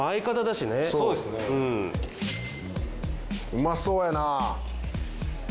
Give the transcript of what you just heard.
うまそうやなあ。